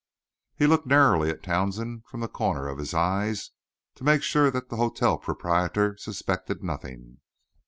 He looked narrowly at Townsend from the corner of his eyes to make sure that the hotel proprietor suspected nothing.